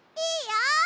いいよ！